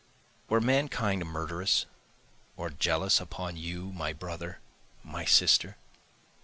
Were mankind murderous or jealous upon you, my brother, my sister?